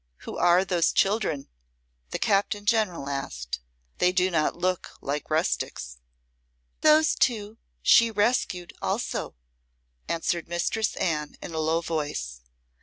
"Who are those children?" the Captain General asked. "They do not look like rustics." "Those two she rescued also," answered Mistress Anne in a low voice.